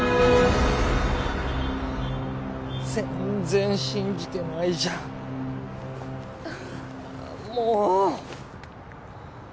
全然信じてないじゃんもう！